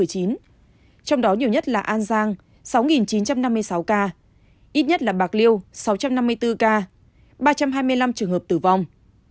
trong đó nhiều nhất là an giang sáu chín trăm năm mươi sáu ca ít nhất là bạc liêu sáu trăm năm mươi bốn ca ba trăm hai mươi năm trường hợp tử vong